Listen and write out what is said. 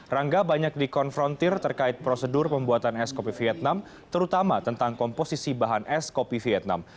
rangga banyak dikonfrontir terkait prosedur pembuatan es kopi vietnam terutama tentang komposisi bahan es kopi vietnam